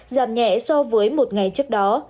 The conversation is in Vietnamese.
giảm nhẹ so với một ngày trước đó